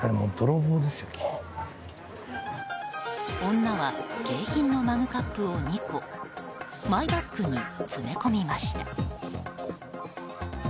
女は景品のマグカップを２個マイバッグに詰め込みました。